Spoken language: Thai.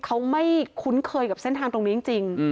เขาไม่คุ้นเคยกับเส้นทางตรงนี้จริง